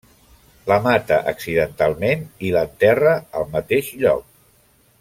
La mata accidentalment, i l'enterra al mateix lloc.